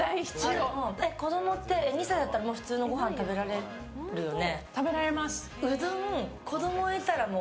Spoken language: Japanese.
子供って２歳だったら普通のごはん食べられるよね。